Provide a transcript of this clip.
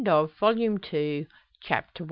Volume Two, Chapter II.